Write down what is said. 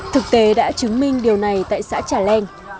thực tế đã chứng minh điều này tại xã trà leng